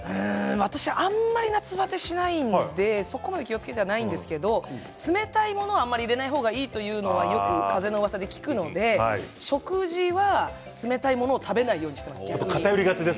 私あんまり夏バテしないのでそこまで気をつけてはないんですけど冷たいものはあんまり入れ方がいいというのはよく風のうわさで聞くので食事は冷たいものを食べないようにしています。